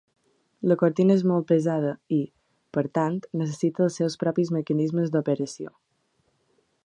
La cortina és molt pesada i, per tant, necessita els seus propis mecanismes d'operació.